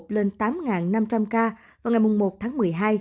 lên tám năm trăm linh ca vào ngày một tháng một mươi hai